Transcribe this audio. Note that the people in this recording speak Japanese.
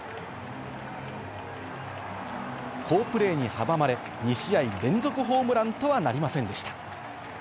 好プレーに阻まれ、２試合連続ホームランとはなりませんでした。